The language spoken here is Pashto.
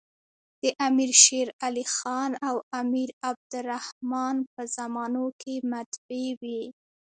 د امیر شېرعلي خان او امیر عبدالر حمن په زمانو کي مطبعې وې.